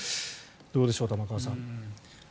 どうでしょう、玉川さん。